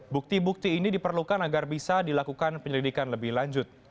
bukti bukti ini diperlukan agar bisa dilakukan penyelidikan lebih lanjut